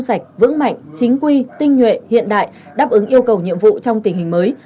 sạch vững mạnh chính quy tinh nhuệ hiện đại đáp ứng yêu cầu nhiệm vụ trong tình hình mới